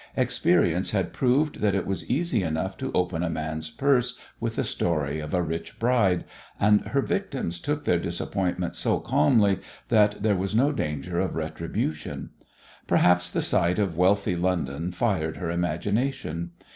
Experience had proved that it was easy enough to open a man's purse with a story of a rich bride, and her victims took their disappointment so calmly that there was no danger of retribution. Perhaps the sight of wealthy London fired her imagination.